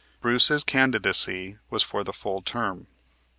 Bruce's candidacy was for the full term.